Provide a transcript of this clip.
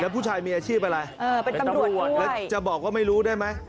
ผู้ชายมีอาชีพอะไรเออเป็นตำรวจแล้วจะบอกว่าไม่รู้ได้ไหม